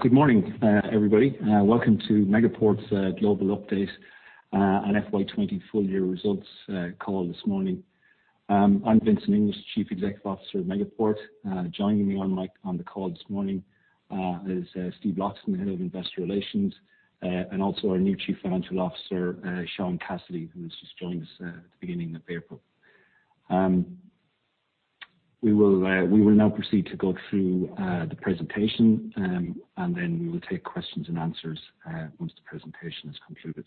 Good morning, everybody. Welcome to Megaport's global update and FY 2020 full year results call this morning. I'm Vincent English, Chief Executive Officer of Megaport. Joining me on the call this morning is Steve Loxton, Head of Investor Relations, and also our new Chief Financial Officer, Sean Cassidy, who has just joined us at the beginning of April. We will now proceed to go through the presentation, then we will take questions and answers once the presentation is concluded.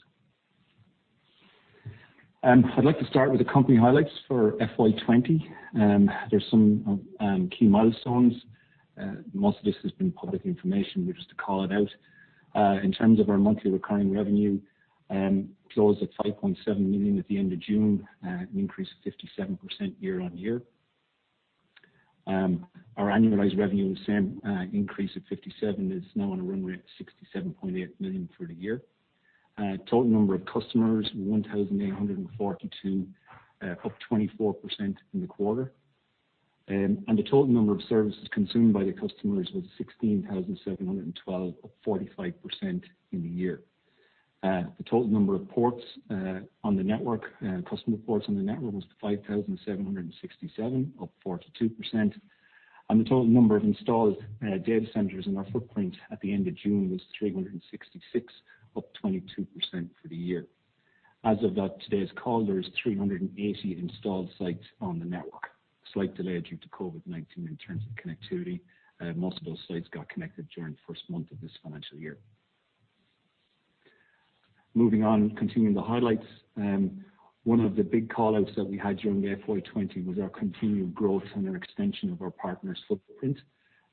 I'd like to start with the company highlights for FY 2020. There's some key milestones. Most of this has been public information, just to call it out. In terms of our monthly recurring revenue, closed at 5.7 million at the end of June, an increase of 57% year on year. Our annualized revenue, the same increase of 57%, is now on a run rate of 67.8 million through the year. Total number of customers, 1,842, up 24% in the quarter. The total number of services consumed by the customers was 16,712, up 45% in the year. The total number of customer ports on the network was 5,767, up 42%. The total number of installed data centers in our footprint at the end of June was 366, up 22% for the year. As of today's call, there is 380 installed sites on the network. Slight delay due to COVID-19 in terms of connectivity. Most of those sites got connected during the first month of this financial year. Moving on, continuing the highlights. One of the big callouts that we had during FY 2020 was our continued growth and an extension of our partner footprint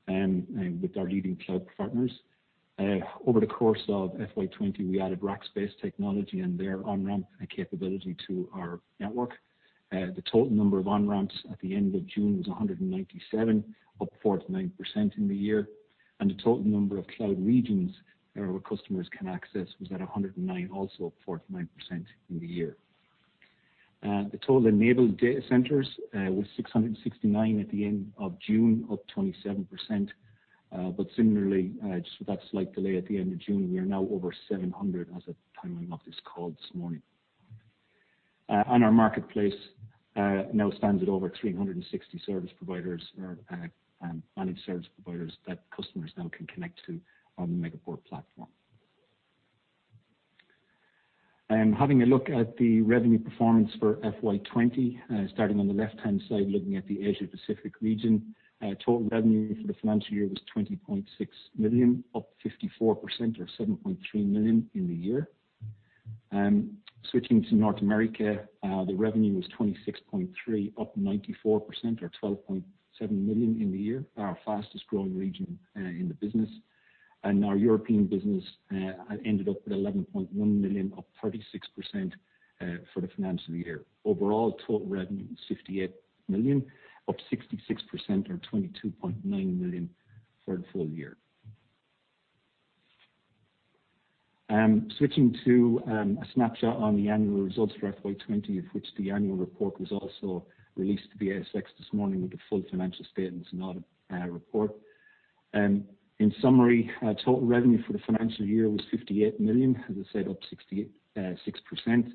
with our leading cloud partners. Over the course of FY 2020, we added Rackspace Technology and their on-ramp capability to our network. The total number of on-ramps at the end of June was 197, up 49% in the year. The total number of cloud regions where customers can access was at 109, also up 49% in the year. The total enabled data centers was 669 at the end of June, up 27%. Similarly, just with that slight delay at the end of June, we are now over 700 as of the timing of this call this morning. Our marketplace now stands at over 360 managed service providers that customers now can connect to on the Megaport platform. Having a look at the revenue performance for FY 2020. Starting on the left-hand side, looking at the Asia-Pacific region. Total revenue for the financial year was 20.6 million, up 54% or 7.3 million in the year. Switching to North America, the revenue was 26.3 million, up 94% or 12.7 million in the year. Our fastest growing region in the business. Our European business ended up at 11.1 million, up 36% for the financial year. Overall, total revenue was 58 million, up 66% or 22.9 million for the full year. Switching to a snapshot on the annual results for FY 2020, of which the annual report was also released to the ASX this morning with the full financial statements and audit report. In summary, total revenue for the financial year was 58 million, as I said, up 66%.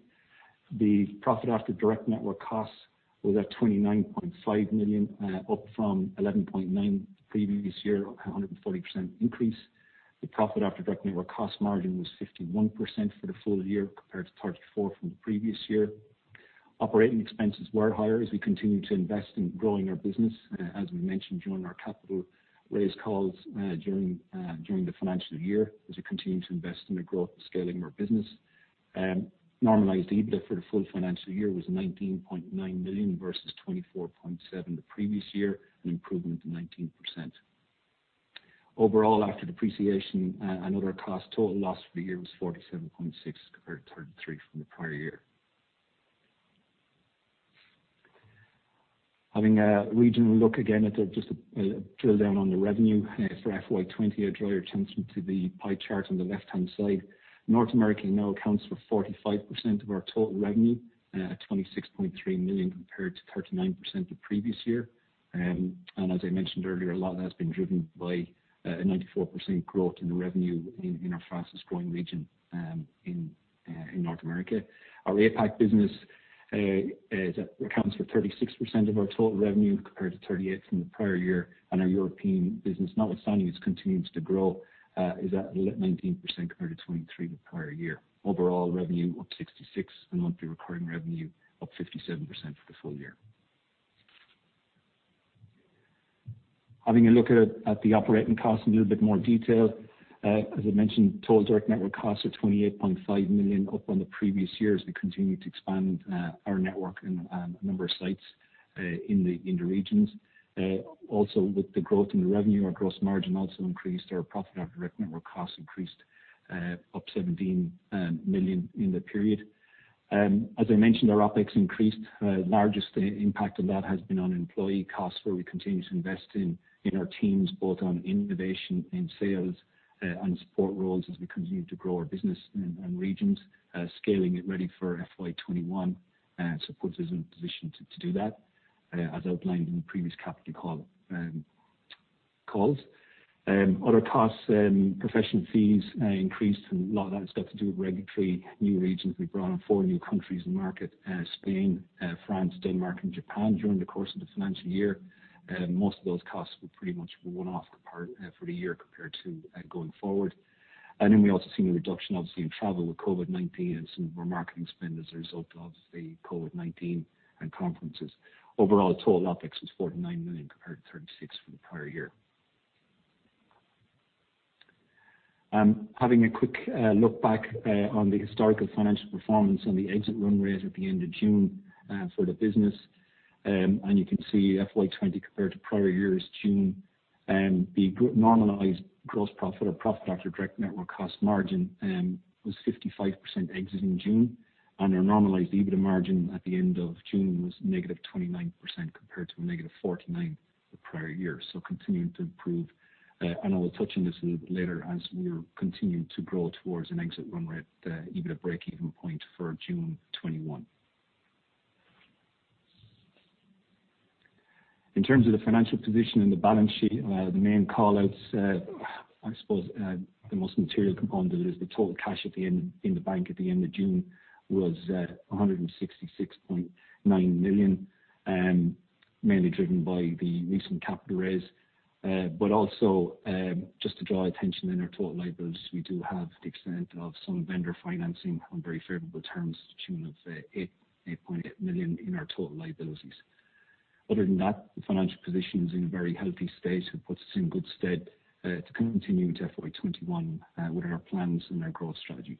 The profit after direct network costs was at 29.5 million, up from 11.9 million the previous year, up 140% increase. The profit after direct network cost margin was 51% for the full year, compared to 34% from the previous year. Operating expenses were higher as we continue to invest in growing our business, as we mentioned during our capital raise calls during the financial year, as we continue to invest in the growth and scaling of our business. Normalized EBITDA for the full financial year was 19.9 million versus 24.7 million the previous year, an improvement of 19%. Overall, after depreciation and other costs, total loss for the year was 47.6 million compared to 33 million from the prior year. Having a regional look again at just a drill down on the revenue for FY 2020.I draw your attention to the pie chart on the left-hand side. North America now accounts for 45% of our total revenue at 26.3 million compared to 39% the previous year. As I mentioned earlier, a lot of that has been driven by a 94% growth in the revenue in our fastest growing region in North America. Our APAC business accounts for 36% of our total revenue compared to 38% from the prior year. Our European business, notwithstanding it continues to grow, is at 19% compared to 23% the prior year. Overall revenue up 66%, monthly recurring revenue up 57% for the full year. Having a look at the operating costs in a little bit more detail. As I mentioned, total direct network costs are 28.5 million up on the previous year as we continue to expand our network and number of sites in the regions. Also with the growth in the revenue, our gross margin also increased. Our profit after direct network costs increased up 17 million in the period. As I mentioned, our OpEx increased. Largest impact of that has been on employee costs, where we continue to invest in our teams, both on innovation and sales and support roles as we continue to grow our business and regions, scaling it ready for FY 2021. Puts us in a position to do that, as outlined in the previous capital calls. Other costs, professional fees increased and a lot of that has got to do with regulatory new regions. We brought on four new countries in market, Spain, France, Denmark, and Japan during the course of the financial year. Most of those costs were pretty much one-off for the year compared to going forward. We also seen a reduction obviously in travel with COVID-19 and some of our marketing spend as a result of obviously COVID-19 and conferences. Overall, total OpEx was 49 million compared to 36 million for the prior year. Having a quick look back on the historical financial performance on the exit run rate at the end of June for the business. You can see FY 2020 compared to prior years, June, the normalized gross profit or profit after direct network cost margin was 55% exit in June. Our normalized EBITDA margin at the end of June was -29% compared to a -49% the prior year. Continuing to improve. I will touch on this a little bit later as we are continuing to grow towards an exit run rate EBITDA breakeven point for June 2021. In terms of the financial position and the balance sheet, the main call-outs, I suppose the most material component is the total cash in the bank at the end of June was 166.9 million, mainly driven by the recent capital raise. Also, just to draw attention in our total liabilities, we do have the extent of some vendor financing on very favorable terms to the tune of 8.8 million in our total liabilities. Other than that, the financial position is in a very healthy state, which puts us in good stead to continue into FY 2021 with our plans and our growth strategy.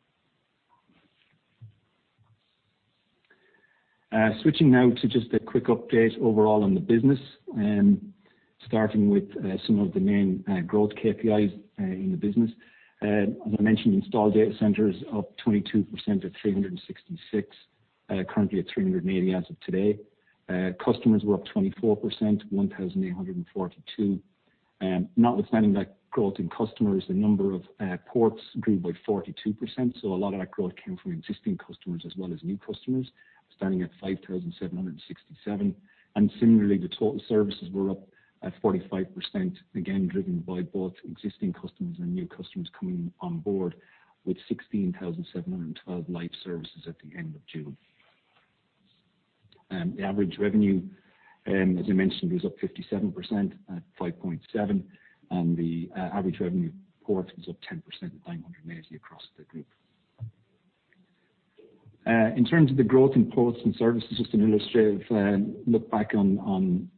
Switching now to just a quick update overall on the business. Starting with some of the main growth KPIs in the business. As I mentioned, installed data centers up 22% to 366, currently at 380 as of today. Customers were up 24%, 1,842. Notwithstanding that growth in customers, the number of ports grew by 42%. A lot of that growth came from existing customers as well as new customers, standing at 5,767. Similarly, the total services were up at 45%, again, driven by both existing customers and new customers coming on board with 16,712 live services at the end of June. The average revenue, as I mentioned, was up 57% at 5.7 million, and the average revenue port was up 10% at 980 across the group. In terms of the growth in ports and services, just an illustrative look back on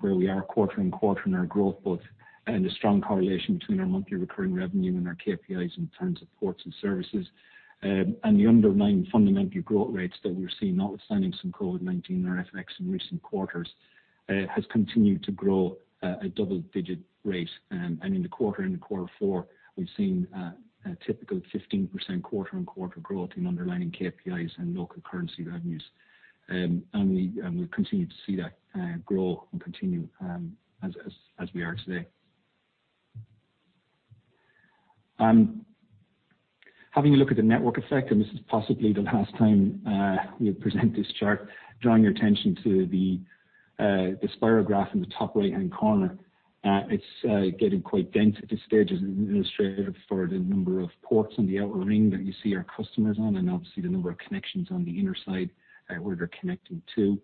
where we are quarter-on-quarter in our growth, both in the strong correlation between our monthly recurring revenue and our KPIs in terms of ports and services. The underlying fundamental growth rates that we're seeing, notwithstanding some COVID-19 or FX in recent quarters, has continued to grow at a double-digit rate. In the quarter, into quarter four, we've seen a typical 15% quarter-on-quarter growth in underlying KPIs and local currency revenues. We continue to see that grow and continue as we are today. Having a look at the network effect, and this is possibly the last time we'll present this chart, drawing your attention to the spiral graph in the top right-hand corner. It's getting quite dense at this stage as an illustrative for the number of ports on the outer ring that you see our customers on, and obviously the number of connections on the inner side where they're connecting to.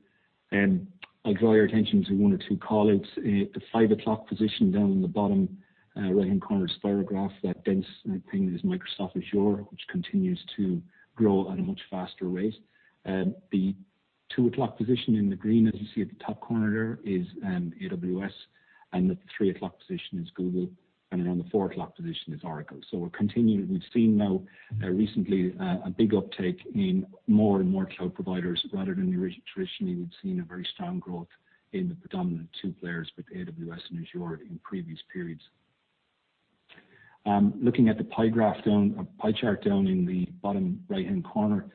I'll draw your attention to one or two call-outs. At the five o'clock position down in the bottom right-hand corner spiral graph, that dense thing is Microsoft Azure, which continues to grow at a much faster rate. The two o'clock position in the green, as you see at the top corner there, is AWS. At the three o'clock position is Google. Around the four o'clock position is Oracle. We've seen now recently a big uptick in more and more cloud providers, rather than traditionally we've seen a very strong growth in the predominant two players with AWS and Azure in previous periods. Looking at the pie chart down in the bottom right-hand corner,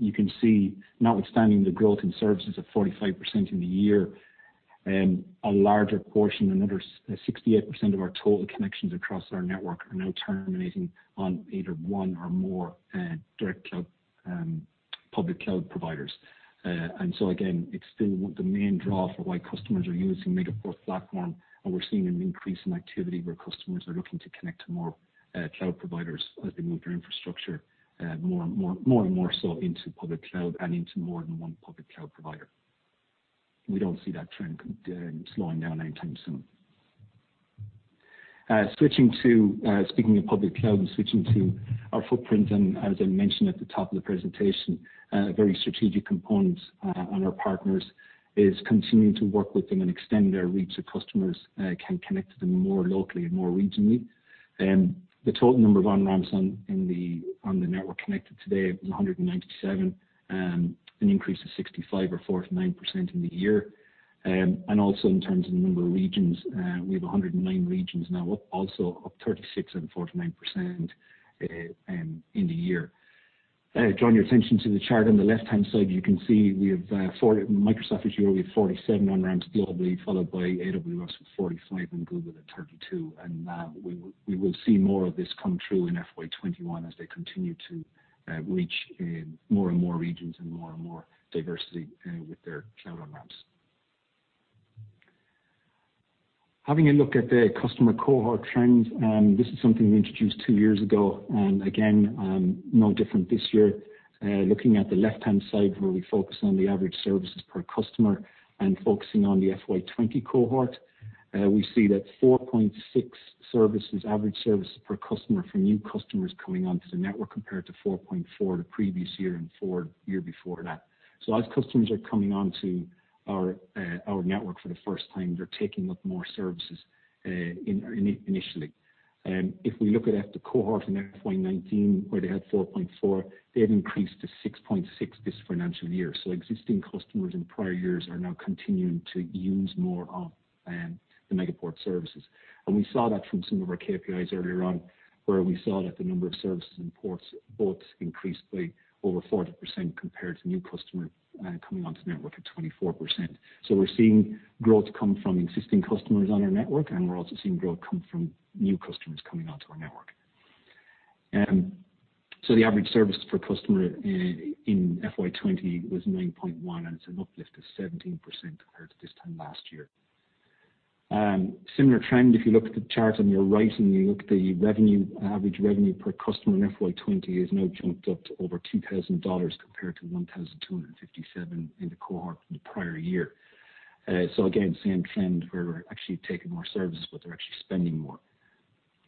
you can see notwithstanding the growth in services of 45% in the year, a larger portion, another 68% of our total connections across our network are now terminating on either one or more direct public cloud providers. Again, it's still the main draw for why customers are using Megaport platform, and we're seeing an increase in activity where customers are looking to connect to more cloud providers as they move their infrastructure more and more so into public cloud and into more than one public cloud provider. We don't see that trend slowing down anytime soon. Speaking of public cloud and switching to our footprint, as I mentioned at the top of the presentation, a very strategic component on our partners is continuing to work with them and extend their reach to customers can connect to them more locally and more regionally. The total number of on-ramps on the network connected today was 197, an increase of 65 or 49% in the year. Also in terms of the number of regions, we have 109 regions now, also up 36% and 49% in the year. Draw your attention to the chart on the left-hand side, you can see Microsoft Azure with 47 on-ramps globally, followed by AWS with 45 and Google at 32. We will see more of this come through in FY 2021 as they continue to reach more and more regions and more and more diversity with their cloud on-ramps. Having a look at the customer cohort trends, this is something we introduced two years ago and again, no different this year. Looking at the left-hand side where we focus on the average services per customer and focusing on the FY 2020 cohort, we see that 4.6 average services per customer for new customers coming onto the network, compared to 4.4 the previous year and four year before that. As customers are coming onto our network for the first time, they're taking up more services initially. If we look at the cohort in FY 2019 where they had 4.4, they have increased to 6.6 this financial year. Existing customers in prior years are now continuing to use more of the Megaport services. We saw that from some of our KPIs earlier on, where we saw that the number of services and ports both increased by over 40% compared to new customer coming onto the network at 24%. We're seeing growth come from existing customers on our network, and we're also seeing growth come from new customers coming onto our network. The average service per customer in FY 2020 was 9.1, and it's an uplift of 17% compared to this time last year. Similar trend, if you look at the chart on your right and you look at the average revenue per customer in FY 2020 has now jumped up to over 2,000 dollars compared to 1,257 in the cohort for the prior year. Again, same trend where we're actually taking more services, but they're actually spending more.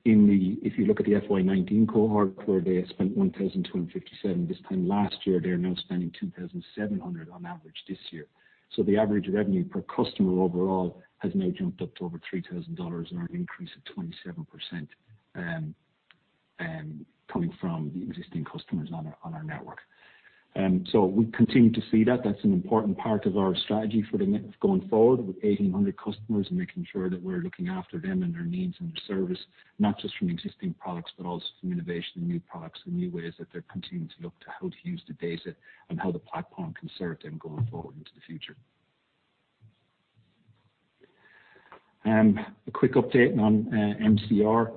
If you look at the FY 2019 cohort where they spent 1,257 this time last year, they're now spending 2,700 on average this year. The average revenue per customer overall has now jumped up to over 3,000 dollars on an increase of 27%, coming from the existing customers on our network. We continue to see that's an important part of our strategy going forward with 1,800 customers and making sure that we're looking after them and their needs and their service, not just from existing products but also from innovation and new products and new ways that they're continuing to look to how to use the data and how the platform can serve them going forward into the future. A quick update on MCR.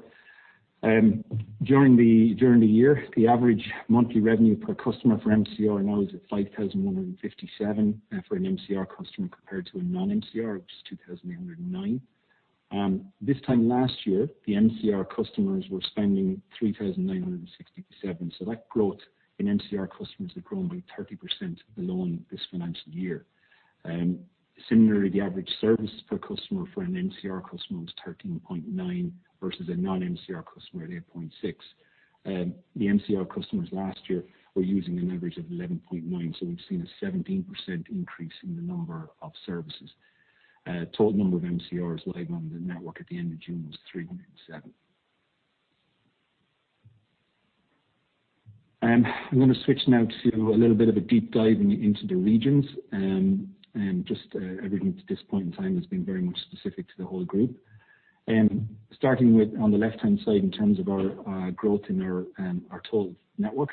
During the year, the average monthly revenue per customer for MCR now is at 5,157 for an MCR customer compared to a non-MCR, which is 2,809. This time last year, the MCR customers were spending 3,967, so that growth in MCR customers have grown by 30% alone this financial year. Similarly, the average services per customer for an MCR customer was 13.9 versus a non-MCR customer at 8.6. The MCR customers last year were using an average of 11.9. We've seen a 17% increase in the number of services. Total number of MCRs live on the network at the end of June was 307. I'm going to switch now to a little bit of a deep dive into the regions. Just everything to this point in time has been very much specific to the whole group. Starting with, on the left-hand side, in terms of our growth in our total network.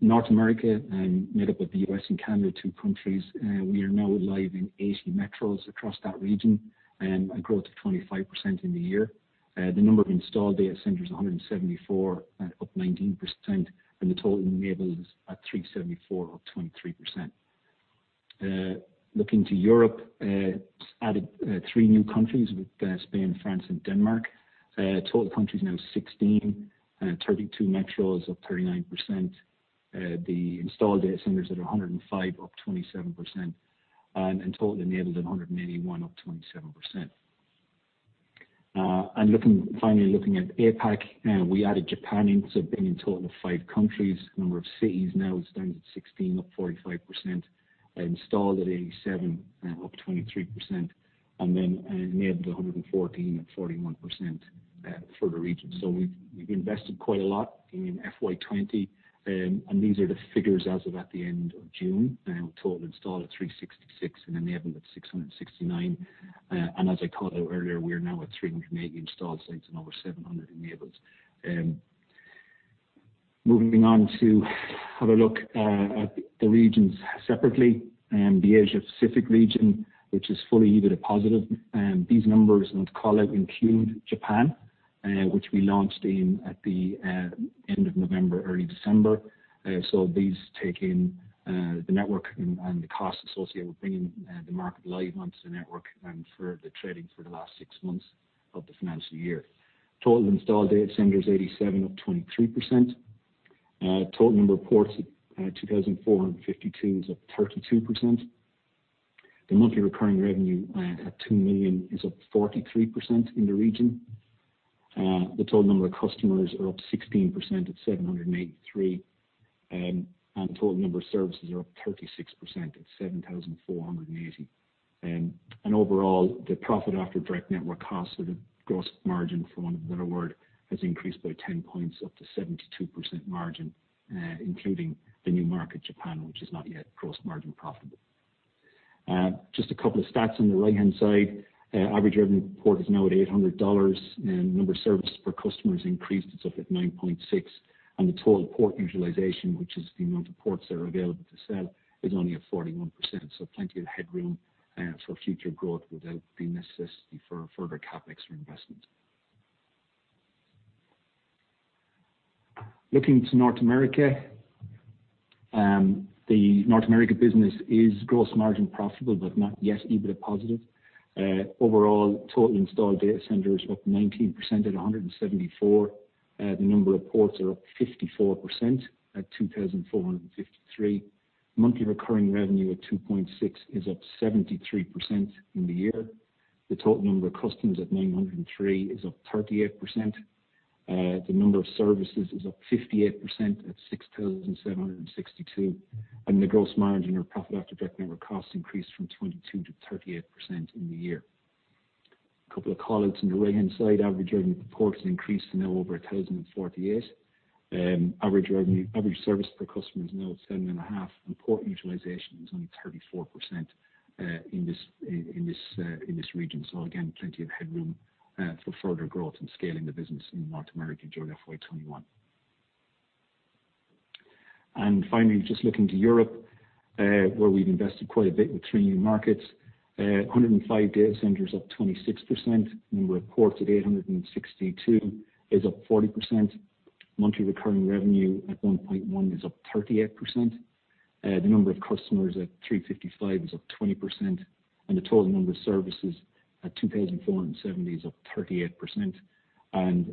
North America, made up of the U.S. and Canada, two countries. We are now live in 80 metros across that region, a growth of 25% in the year. The number of installed data centers, 174, up 19%. The total enabled is at 374, up 23%. Looking to Europe, added three new countries with Spain, France, and Denmark. Total countries now 16, 32 metros, up 39%. The installed data centers at 105, up 27%. Total enabled at 181, up 27%. Finally looking at APAC. We added Japan in, so bringing a total of five countries. Number of cities now stands at 16, up 45%, installed at 87, up 23%, and then enabled 114 at 41% for the region. We've invested quite a lot in FY 2020, and these are the figures as of at the end of June. Total installed at 366 and enabled at 669. As I called out earlier, we are now at 380 installed sites and over 700 enabled. Moving on to have a look at the regions separately. The Asia Pacific region, which is fully EBITDA positive. These numbers, and I'll call out, include Japan, which we launched in at the end of November, early December. These take in the network and the costs associated with bringing the market live onto the network and for the trading for the last six months of the financial year. Total installed data centers, 87, up 23%. Total number of ports at 2,452, is up 32%. The monthly recurring revenue at 2 million is up 43% in the region. The total number of customers are up 16% at 783. Total number of services are up 36% at 7,480. Overall, the profit after direct network costs or the gross margin for want of another word, has increased by 10 points up to 72% margin, including the new market, Japan, which is not yet gross margin profitable. Just a couple of stats on the right-hand side. Average revenue per port is now at 800 dollars. Number of services per customer is increased. It's up at 9.6. The total port utilization, which is the amount of ports that are available to sell, is only at 41%. Plenty of headroom for future growth without the necessity for further CapEx or investment. Looking to North America. The North America business is gross margin profitable, but not yet EBITDA positive. Overall, total installed data centers, up 19% at 174. The number of ports are up 54% at 2,453. Monthly recurring revenue at 2.6 million is up 73% in the year. The total number of customers at 903 is up 38%. The number of services is up 58% at 6,762. The gross margin or profit after direct network costs increased from 22% to 38% in the year. A couple of call-outs on the right-hand side. Average revenue per port has increased to now over 1,048. Average service per customer is now at 7.5, and port utilization is only 34% in this region. Again, plenty of headroom for further growth and scaling the business in North America during FY 2021. Finally, just looking to Europe, where we've invested quite a bit with three new markets. 105 data centers, up 26%. Number of ports at 862, is up 40%. Monthly recurring revenue at 1.1 million, is up 38%. The number of customers at 355 is up 20%, and the total number of services at 2,470 is up 38%.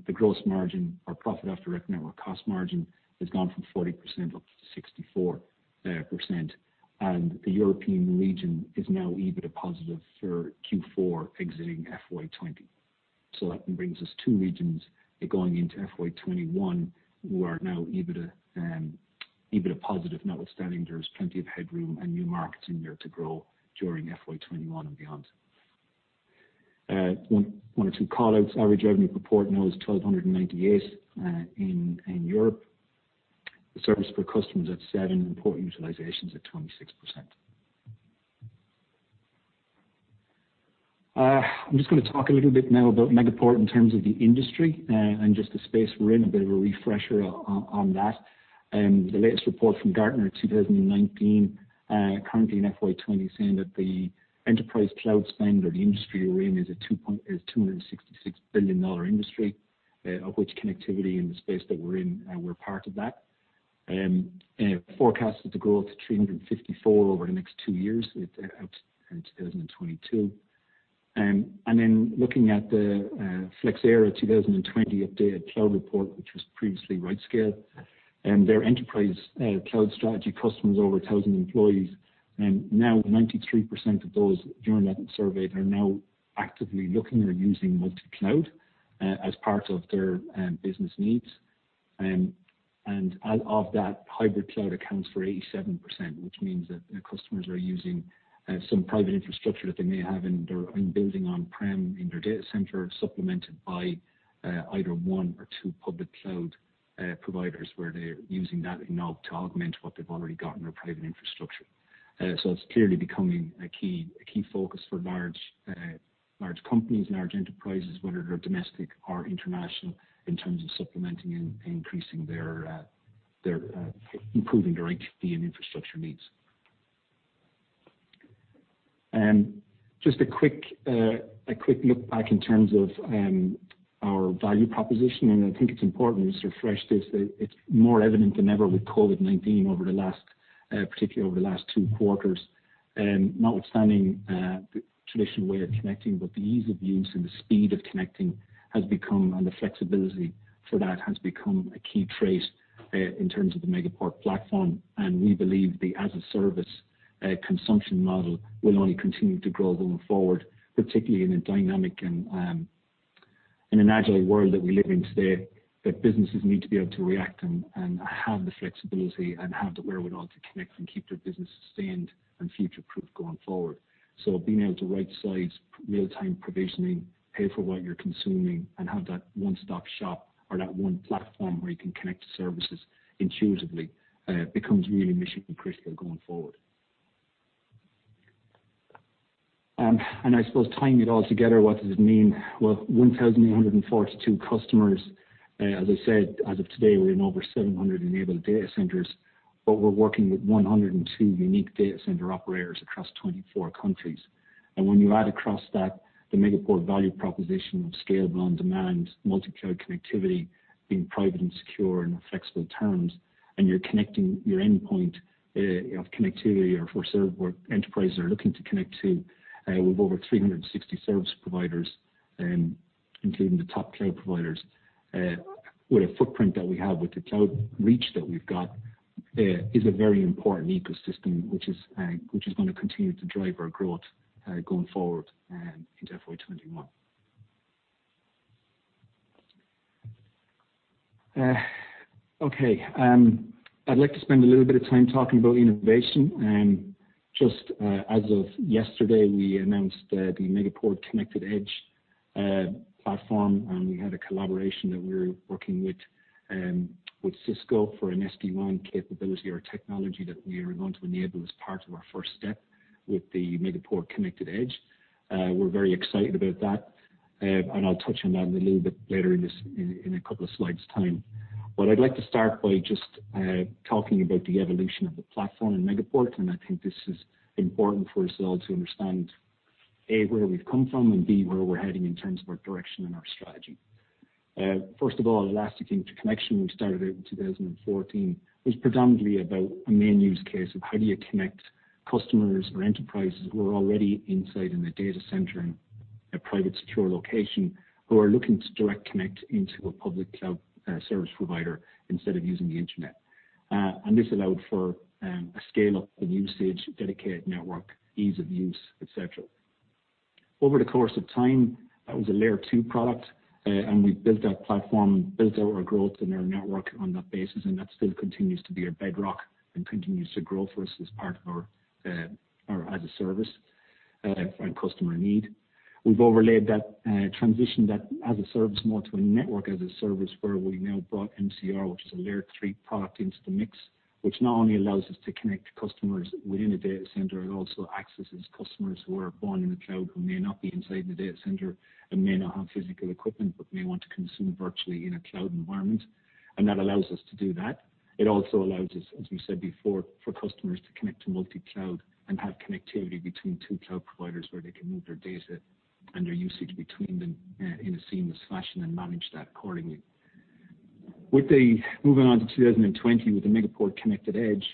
The gross margin or profit after direct network cost margin has gone from 40% up to 64%. The European region is now EBITDA positive for Q4 exiting FY 2020. That brings us two regions going into FY 2021 who are now EBITDA positive, notwithstanding there is plenty of headroom and new markets in there to grow during FY 2021 and beyond. One or two call-outs. Average revenue per port now is 1,298 in Europe. The service per customer is at seven, and port utilization is at 26%. I'm just going to talk a little bit now about Megaport in terms of the industry and just the space we're in, a bit of a refresher on that. The latest report from Gartner 2019, currently in FY 2020, saying that the enterprise cloud spend or the industry we're in is a 266 billion dollar industry, of which connectivity and the space that we're in, we're part of that. Forecasted to grow to 354 billion over the next two years, out to 2022. Then looking at the Flexera 2020 Updated Cloud Report, which was previously RightScale, their enterprise cloud strategy, customers over 1,000 employees. Now 93% of those, during that survey, they're now actively looking or using multi-cloud as part of their business needs. Out of that, hybrid cloud accounts for 87%, which means that their customers are using some private infrastructure that they may have in building on-prem in their data center, supplemented by either one or two public cloud providers, where they're using that now to augment what they've already got in their private infrastructure. It's clearly becoming a key focus for large companies and large enterprises, whether they're domestic or international, in terms of supplementing and increasing their-- improving their IT and infrastructure needs. Just a quick look back in terms of our value proposition, I think it's important we just refresh this. It's more evident than ever with COVID-19, particularly over the last two quarters, notwithstanding the traditional way of connecting. The ease of use and the speed of connecting and the flexibility for that has become a key trait in terms of the Megaport platform. We believe the as a service consumption model will only continue to grow going forward, particularly in a dynamic and an agile world that we live in today, that businesses need to be able to react and have the flexibility and have the wherewithal to connect and keep their business sustained and future-proof going forward. Being able to right-size, real-time provisioning, pay for what you're consuming, and have that one-stop shop or that one platform where you can connect to services intuitively becomes really mission critical going forward. I suppose tying it all together, what does it mean? Well, 1,842 customers. As I said, as of today, we're in over 700 enabled data centers, but we're working with 102 unique data center operators across 24 countries. When you add across that the Megaport value proposition of scalable on-demand multi-cloud connectivity, being private and secure and on flexible terms, and you're connecting your endpoint of connectivity or for enterprise are looking to connect to with over 360 service providers, including the top cloud providers, with a footprint that we have, with the cloud reach that we've got, is a very important ecosystem, which is going to continue to drive our growth going forward into FY 2021. Okay. I'd like to spend a little bit of time talking about innovation. Just as of yesterday, we announced the Megaport Connected Edge. We had a collaboration that we were working with Cisco for an SD-WAN capability or technology that we are going to enable as part of our first step with the Megaport Connected Edge. We're very excited about that, and I'll touch on that a little bit later in a couple of slides' time. What I'd like to start by just talking about the evolution of the platform in Megaport, and I think this is important for us all to understand, A, where we've come from, and B, where we're heading in terms of our direction and our strategy. First of all, Elastic Interconnection, we started out in 2014. It was predominantly about a main use case of how do you connect customers or enterprises who are already inside in a data center in a private, secure location, who are looking to direct connect into a public cloud service provider instead of using the internet. This allowed for a scale-up of usage, dedicated network, ease of use, et cetera. Over the course of time, that was a Layer 2 product, and we've built that platform, built our growth and our network on that basis, and that still continues to be a bedrock and continues to grow for us as a service and customer need. We've overlaid that transition that as a service more to a network as a service, where we now brought MCR, which is a Layer 3 product, into the mix. Which not only allows us to connect customers within a data center, it also accesses customers who are born in the cloud, who may not be inside the data center and may not have physical equipment, but may want to consume virtually in a cloud environment. That allows us to do that. It also allows us, as we said before, for customers to connect to multi-cloud and have connectivity between two cloud providers where they can move their data and their usage between them in a seamless fashion and manage that accordingly. Moving on to 2020, with the Megaport Connected Edge,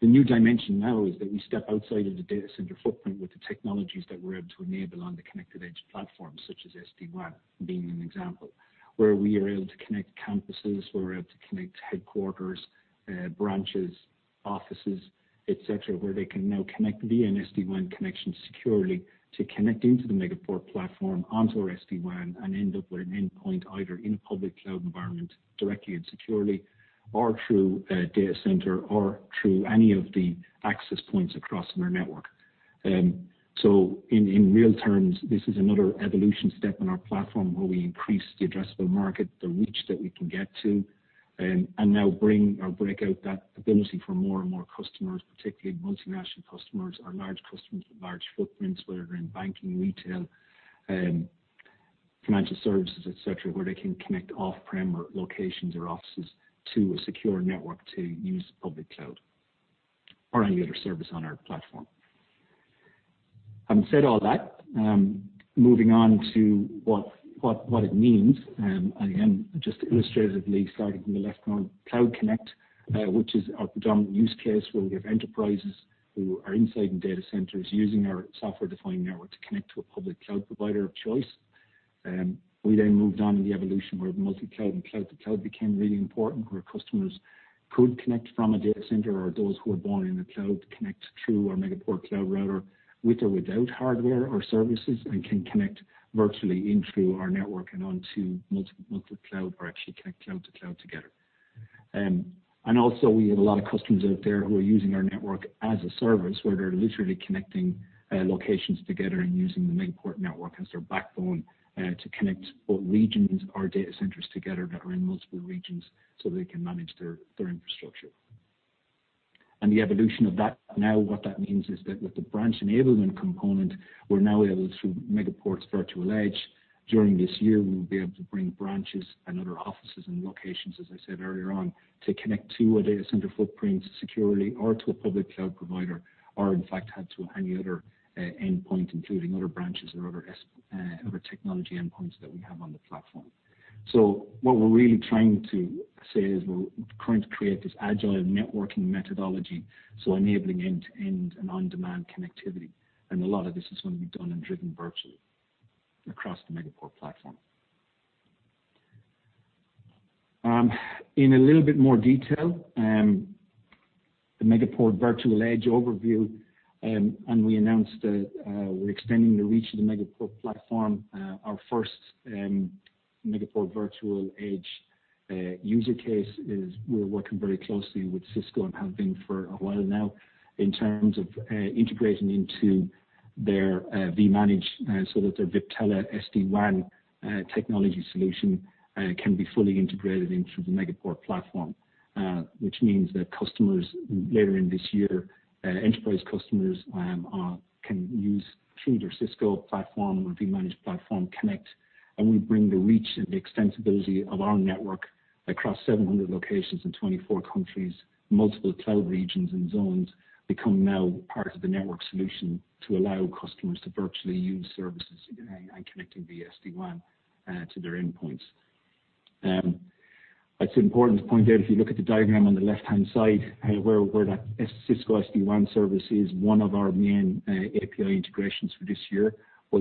the new dimension now is that we step outside of the data center footprint with the technologies that we're able to enable on the Connected Edge platform, such as SD-WAN being an example. Where we are able to connect campuses, we're able to connect headquarters, branches, offices, et cetera. Where they can now connect via an SD-WAN connection securely to connect into the Megaport platform onto our SD-WAN and end up with an endpoint either in a public cloud environment directly and securely, or through a data center, or through any of the access points across our network. In real terms, this is another evolution step in our platform where we increase the addressable market, the reach that we can get to, and now bring or break out that ability for more and more customers, particularly multinational customers or large customers with large footprints, whether in banking, retail, financial services, et cetera. Where they can connect off-prem or locations or offices to a secure network to use public cloud or any other service on our platform. Having said all that, moving on to what it means. Again, just illustratively, starting from the left one, Cloud Connect, which is our predominant use case, where we have enterprises who are inside in data centers using our software-defined network to connect to a public cloud provider of choice. We then moved on in the evolution where multi-cloud and cloud-to-cloud became really important, where customers could connect from a data center or those who were born in a cloud could connect through our Megaport Cloud Router with or without hardware or services, and can connect virtually in through our network and onto multiple cloud or actually connect cloud-to-cloud together. Also we have a lot of customers out there who are using our network as a service, where they are literally connecting locations together and using the Megaport network as their backbone to connect both regions or data centers together that are in multiple regions, so they can manage their infrastructure. The evolution of that, now what that means is that with the branch enablement component, we are now able, through Megaport Virtual Edge, during this year, we will be able to bring branches and other offices and locations, as I said earlier on, to connect to a data center footprint securely or to a public cloud provider, or in fact out to any other endpoint, including other branches or other technology endpoints that we have on the platform. What we're really trying to say is we're trying to create this agile networking methodology, so enabling end-to-end and on-demand connectivity. A lot of this is going to be done and driven virtually across the Megaport platform. In a little bit more detail, the Megaport Virtual Edge overview. We announced that we're extending the reach of the Megaport platform. Our first Megaport Virtual Edge user case is we're working very closely with Cisco and have been for a while now, in terms of integrating into their vManage so that their Viptela SD-WAN technology solution can be fully integrated into the Megaport platform. Which means that customers later in this year, enterprise customers, can use through their Cisco platform or vManage platform, connect, and we bring the reach and the extensibility of our network across 700 locations in 24 countries. Multiple cloud regions and zones become now part of the network solution to allow customers to virtually use services and connecting via SD-WAN to their endpoints. It's important to point out, if you look at the diagram on the left-hand side, where that Cisco SD-WAN service is one of our main API integrations for this year.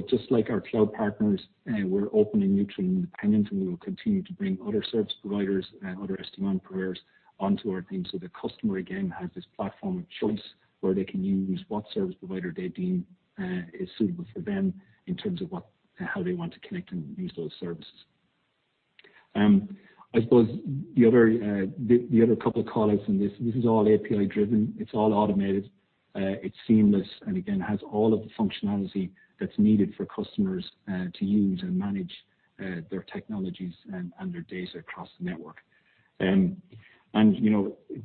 Just like our cloud partners, we're open and neutral and independent, and we will continue to bring other service providers and other SD-WAN providers onto our team. The customer, again, has this platform of choice where they can use what service provider they deem is suitable for them in terms of how they want to connect and use those services. I suppose the other couple of call-outs in this is all API driven, it is all automated, it is seamless, and again, has all of the functionality that is needed for customers to use and manage their technologies and their data across the network.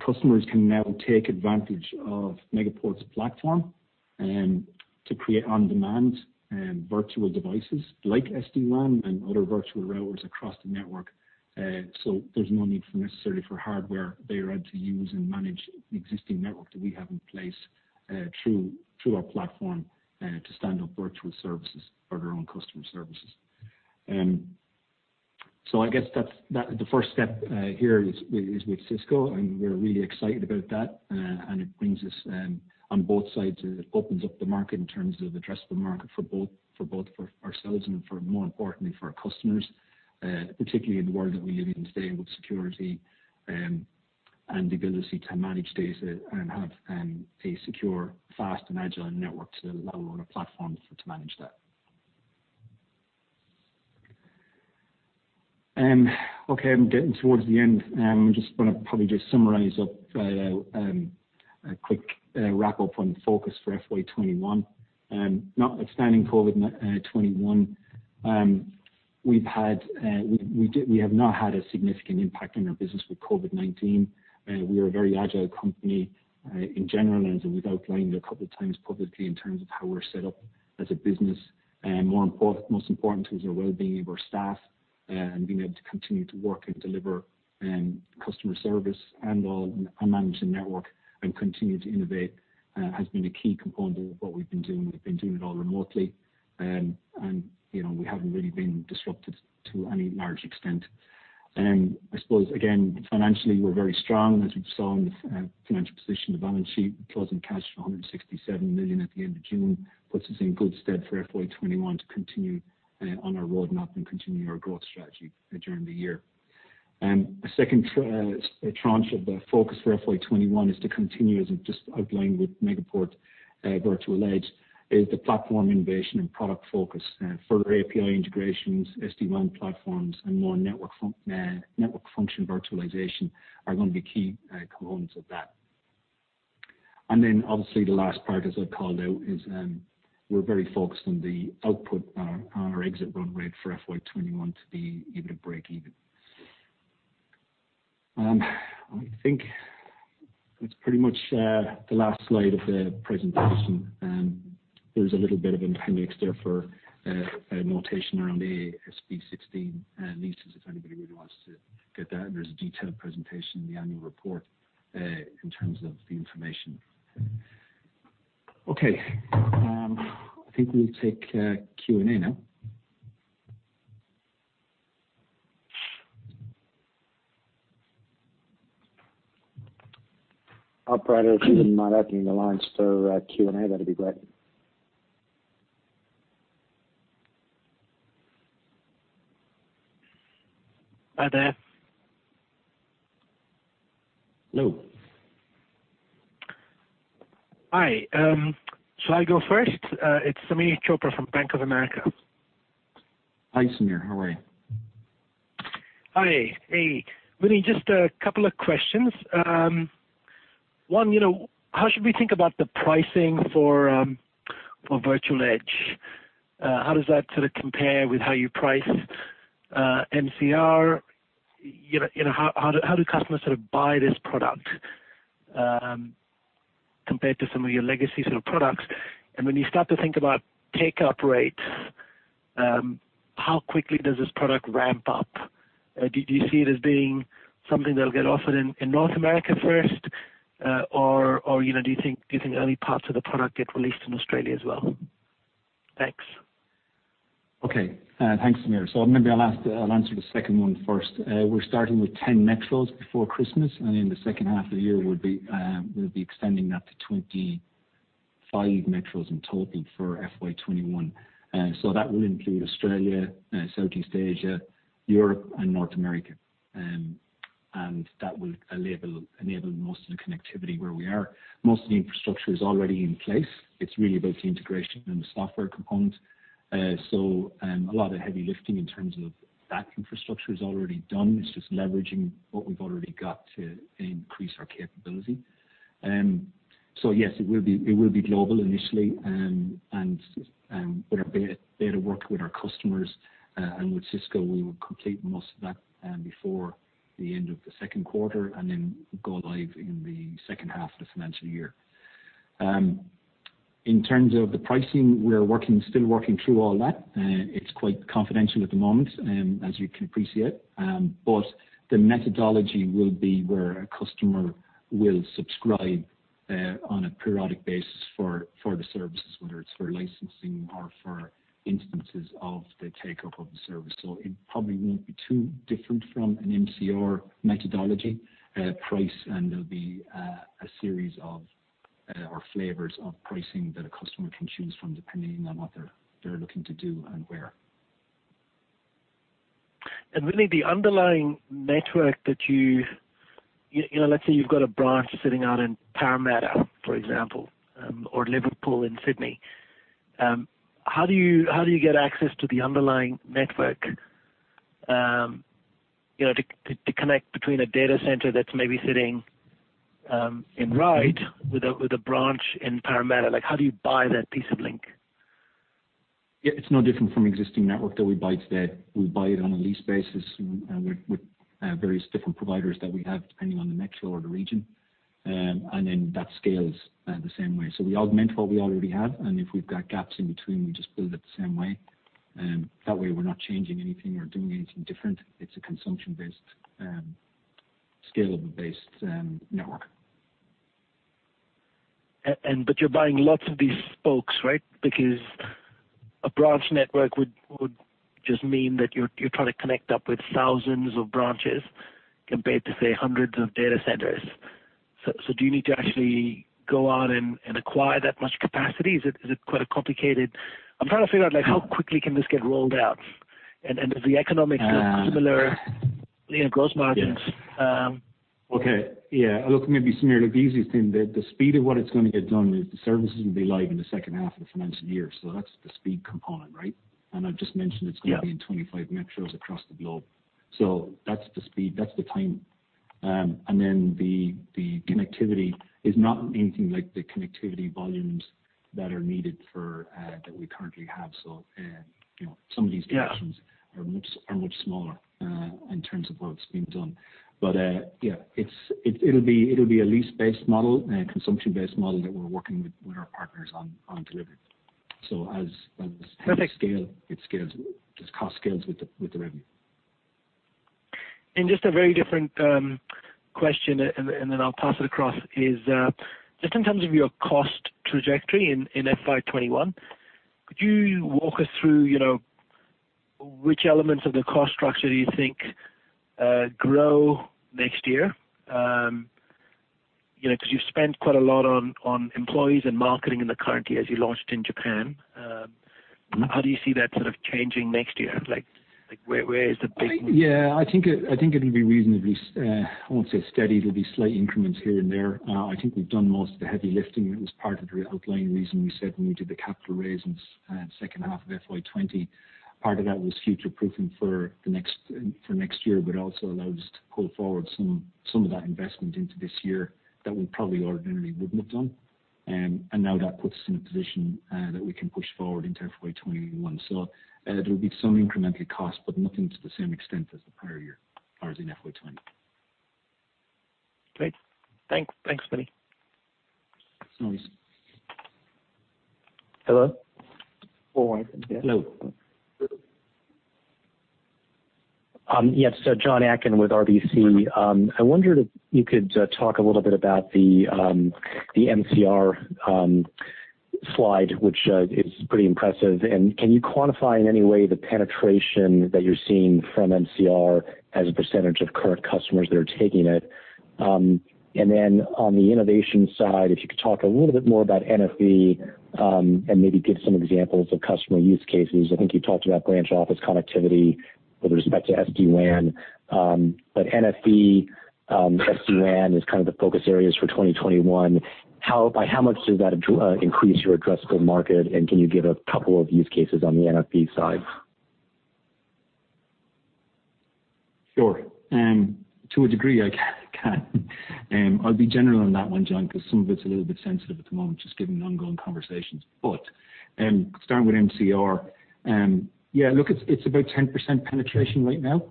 Customers can now take advantage of Megaport’s platform to create on-demand virtual devices like SD-WAN and other virtual routers across the network. There is no need necessarily for hardware. They are able to use and manage the existing network that we have in place through our platform to stand up virtual services or their own customer services. I guess the first step here is with Cisco, and we are really excited about that. It brings us on both sides, and it opens up the market in terms of addressable market for both for ourselves and for, more importantly, for our customers, particularly in the world that we live in today, with security and the ability to manage data and have a secure, fast, and agile network to allow our platform to manage that. Okay. I'm getting towards the end. I just want to probably just summarize up a quick wrap-up on focus for FY 2021. Notwithstanding COVID-19, we have not had a significant impact on our business with COVID-19. We are a very agile company in general, as we've outlined a couple of times publicly in terms of how we're set up as a business. Most important is the well-being of our staff and being able to continue to work and deliver customer service and manage the network and continue to innovate has been a key component of what we've been doing. We've been doing it all remotely, and we haven't really been disrupted to any large extent. I suppose, again, financially, we're very strong as we've shown the financial position, the balance sheet closing cash of 167 million at the end of June puts us in good stead for FY 2021 to continue on our roadmap and continue our growth strategy during the year. A second tranche of the focus for FY 2021 is to continue, as I've just outlined with Megaport Virtual Edge, is the platform innovation and product focus. Further API integrations, SD-WAN platforms, and more Network Function Virtualization are going to be key components of that. Obviously the last part, as I've called out, is we're very focused on the output on our exit run rate for FY 2021 to be able to break even. I think that's pretty much the last slide of the presentation. There's a little bit of an appendix there for notation around the AASB 16 leases, if anybody really wants to get that. There's a detailed presentation in the annual report, in terms of the information. Okay, I think we'll take Q&A now. Operator, if you wouldn't mind opening the lines for Q&A, that'd be great. Hi there. Hello. Hi. Shall I go first? It's Sameer Chopra from Bank of America. Hi, Sameer. How are you? Hi. Hey, Vinny, just a couple of questions. One, how should we think about the pricing for Virtual Edge? How does that compare with how you price MCR? How do customers buy this product compared to some of your legacy sort of products? When you start to think about take-up rates, how quickly does this product ramp up? Do you see it as being something that'll get offered in North America first? Or do you think early parts of the product get released in Australia as well? Thanks. Thanks, Sameer. Maybe I'll answer the second one first. We're starting with 10 metros before Christmas. In the second half of the year, we'll be extending that to 25 metros in total for FY 2021. That will include Australia, Southeast Asia, Europe, and North America. That will enable most of the connectivity where we are. Most of the infrastructure is already in place. It's really about the integration and the software component. A lot of heavy lifting in terms of that infrastructure is already done. It's just leveraging what we've already got to increase our capability. Yes, it will be global initially. With our beta work with our customers and with Cisco, we will complete most of that before the end of the second quarter. Then go live in the second half of the financial year. In terms of the pricing, we're still working through all that. It's quite confidential at the moment, as you can appreciate. The methodology will be where a customer will subscribe on a periodic basis for the services, whether it's for licensing or for instances of the take-up of the service. It probably won't be too different from an MCR methodology price, and there'll be a series of, or flavors of pricing that a customer can choose from, depending on what they're looking to do and where. Vinny, the underlying network that. Let's say you've got a branch sitting out in Parramatta, for example, or Liverpool in Sydney. How do you get access to the underlying network to connect between a data center that's maybe sitting in Ryde with a branch in Parramatta? How do you buy that piece of link? Yeah, it's no different from existing network that we buy today. We buy it on a lease basis with various different providers that we have, depending on the metro or the region. That scales the same way. We augment what we already have, and if we've got gaps in between, we just build it the same way. That way, we're not changing anything or doing anything different. It's a consumption-based, scalable-based network. You're buying lots of these spokes, right? Because a branch network would just mean that you're trying to connect up with thousands of branches compared to, say, hundreds of data centers. Do you need to actually go out and acquire that much capacity? Is it quite a complicated I'm trying to figure out how quickly can this get rolled out, and do the economics look similar in gross margins? Okay. Yeah. Look, maybe, Sameer, the easiest thing, the speed of what it's going to get done is the services will be live in the second half of the financial year. That's the speed component, right? Yeah. Going to be in 25 metros across the globe. That's the speed, that's the time. The connectivity is not anything like the connectivity volumes that are needed for that we currently have. Yeah. Are much smaller in terms of what's being done. Yeah. It'll be a lease-based model and consumption-based model that we're working with our partners on delivering. Perfect It scales, its cost scales with the revenue. Just a very different question, and then I'll pass it across, is just in terms of your cost trajectory in FY 2021, could you walk us through which elements of the cost structure do you think grow next year? Because you've spent quite a lot on employees and marketing in the current year as you launched in Japan. How do you see that sort of changing next year? Where is the big- Yeah. I think it'll be reasonably, I won't say steady. There'll be slight increments here and there. I think we've done most of the heavy lifting that was part of the underlying reason we said when we did the capital raise in second half of FY 2020. Part of that was future-proofing for next year, but also allowed us to pull forward some of that investment into this year that we probably ordinarily wouldn't have done. Now that puts us in a position that we can push forward into FY 2021. There'll be some incremental cost, but nothing to the same extent as the prior year, as in FY 2020. Great. Thanks, Vinny. No worries. Hello? Hello. Yes. Johnny Atkin with RBC. I wondered if you could talk a little bit about the MCR slide, which is pretty impressive. Can you quantify in any way the penetration that you're seeing from MCR as a percentage of current customers that are taking it? Then on the innovation side, if you could talk a little bit more about NFV, and maybe give some examples of customer use cases. I think you talked about branch office connectivity with respect to SD-WAN. NFV, SD-WAN is kind of the focus areas for 2021. By how much does that increase your addressable market, and can you give a couple of use cases on the NFV side? Sure. To a degree, I can. I'll be general on that one, John, because some of it's a little bit sensitive at the moment, just given the ongoing conversations. Starting with MCR. Yeah, look, it's about 10% penetration right now.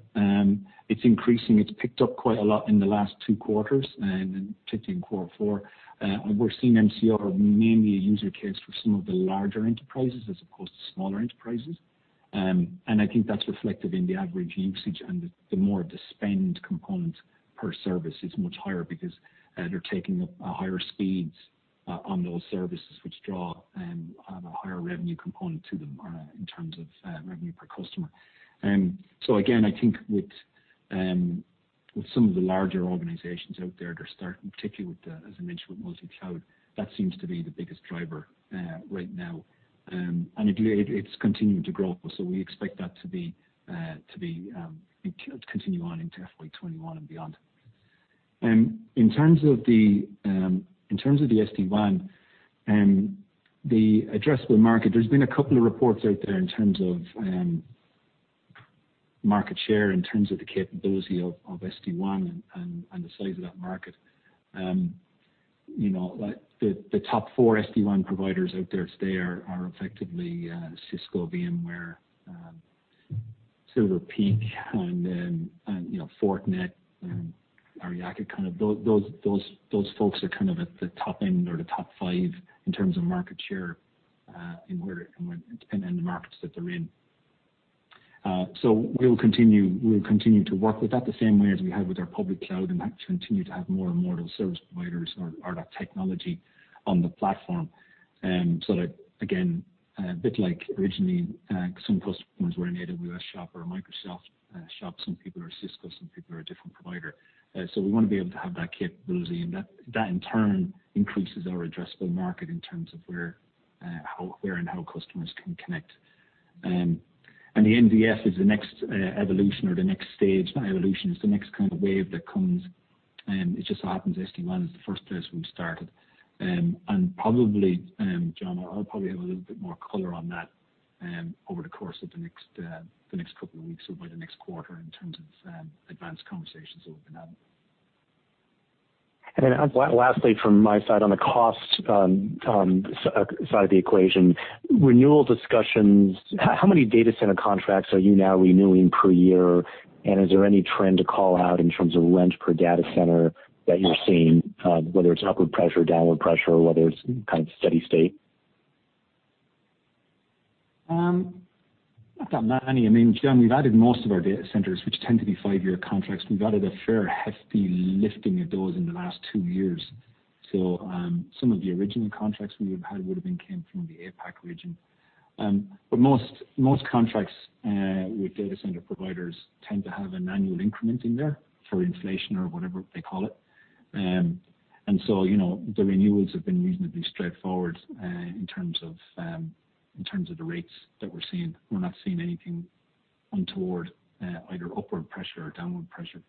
It's increasing. It's picked up quite a lot in the last two quarters, and particularly in quarter four. We're seeing MCR mainly a user case for some of the larger enterprises as opposed to smaller enterprises. I think that's reflected in the average usage and the more of the spend component per service is much higher because they're taking up higher speeds on those services, which draw a higher revenue component to them in terms of revenue per customer. Again, I think with some of the larger organizations out there, they're starting particularly with the, as I mentioned, with multi-cloud. That seems to be the biggest driver right now. It's continuing to grow. We expect that to continue on into FY 2021 and beyond. In terms of the SD-WAN, the addressable market, there's been a couple of reports out there in terms of market share, in terms of the capability of SD-WAN and the size of that market. The top four SD-WAN providers out there today are effectively Cisco, VMware, Silver Peak, and Fortinet, Aryaka. Those folks are kind of at the top end or the top five in terms of market share and the markets that they're in. We'll continue to work with that the same way as we have with our public cloud and continue to have more and more of those service providers or that technology on the platform. That, again, a bit like originally, some customers were an AWS shop or a Microsoft shop. Some people are Cisco, some people are a different provider. We want to be able to have that capability and that in turn increases our addressable market in terms of where and how customers can connect. The NFV is the next evolution, or the next stage. Not evolution, it's the next kind of wave that comes, and it just so happens SD-WAN is the first place we've started. Probably, John, I'll probably have a little bit more color on that over the course of the next couple of weeks or by the next quarter in terms of advanced conversations that we've been having. Lastly from my side on the cost side of the equation. Renewal discussions, how many data center contracts are you now renewing per year? Is there any trend to call out in terms of rent per data center that you're seeing, whether it's upward pressure, downward pressure or whether it's kind of steady state? Not that many. John, we've added most of our data centers, which tend to be five-year contracts. We've added a fair hefty lifting of those in the last two years. Some of the original contracts we would've had would've came from the APAC region. Most contracts with data center providers tend to have an annual increment in there for inflation or whatever they call it. The renewals have been reasonably straightforward in terms of the rates that we're seeing. We're not seeing anything untoward, either upward pressure or downward pressure.